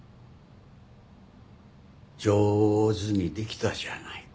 上手にできたじゃないか。